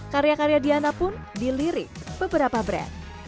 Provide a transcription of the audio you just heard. karya karya diana pun dilirik beberapa brand